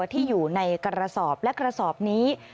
ที่อยู่ในกระสอบและกระสอบนี้